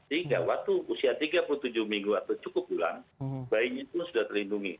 jadi jika waktu usia tiga puluh tujuh minggu atau cukup bulan bayinya itu sudah terlindungi